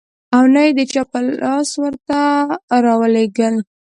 او نه يې د چا په لاس ورته راولېږل .